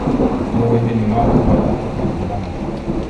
Edewa henne ma uvar ataɗ yam dəlaŋ.